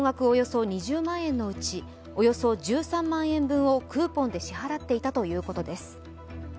およそ２０万円のうちおよそ１３万円分をクーポンで支払っていたということです。